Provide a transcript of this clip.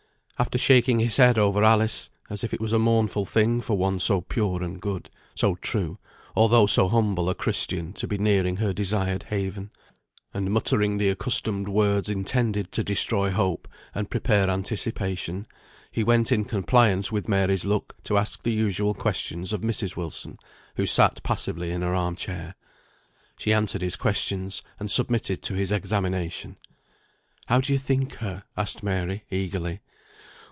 After shaking his head over Alice (as if it was a mournful thing for one so pure and good, so true, although so humble a Christian, to be nearing her desired haven), and muttering the accustomed words intended to destroy hope, and prepare anticipation, he went in compliance with Mary's look to ask the usual questions of Mrs. Wilson, who sat passively in her arm chair. She answered his questions, and submitted to his examination. "How do you think her?" asked Mary, eagerly.